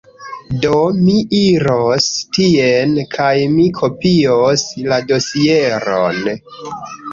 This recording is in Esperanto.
Do mi iros tien, kaj mi kopios la dosieron.